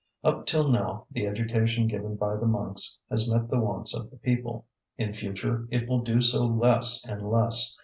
Up till now the education given by the monks has met the wants of the people; in future it will do so less and less.